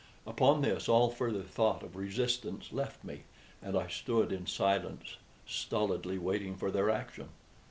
Upon this all further thought of resistance left me, and I stood in silence, stolidly waiting for their action.